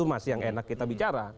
masih yang enak kita bicara